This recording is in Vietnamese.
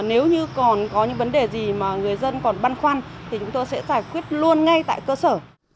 nếu như còn có những vấn đề gì mà người dân còn băn khoăn thì chúng tôi sẽ giải quyết luôn ngay tại cơ sở